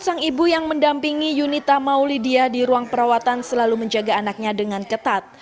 pinggi yunita maulidia di ruang perawatan selalu menjaga anaknya dengan ketat